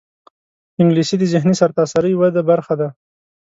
انګلیسي د ذهني سرتاسري وده برخه ده